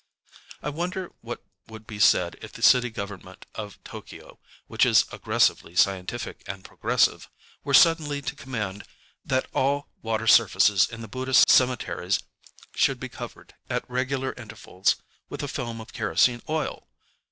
I wonder what would be said if the city government of T┼Źky┼ŹŌĆöwhich is aggressively scientific and progressiveŌĆöwere suddenly to command that all water surfaces in the Buddhist cemeteries should be covered, at regular intervals, with a film of kerosene oil!